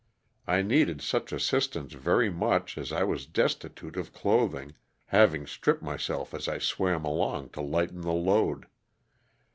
I needed such assistance very much as I was destitute of clothing, having stripped myself as I swam along to lighten the load.